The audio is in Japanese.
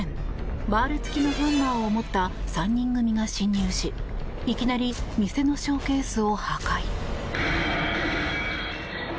バール付きのハンマーを持った３人組が侵入しいきなり店のショーケースを破壊。